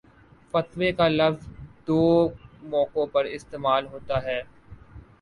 فتوے کا لفظ دو موقعوں پر استعمال ہوتا ہے